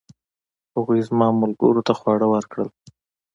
هغوی زما ملګرو ته خواړه ورکړل.